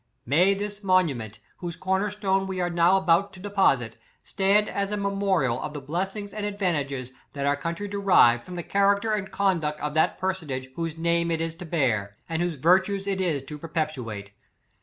" May this monument, whose corner stone we are now about to deposit, stand as a memorial of the blessings and advantages that our country derived from the character 13 and conduct of that personage whose name it is to bear, and whose virtues it is to perpetuate.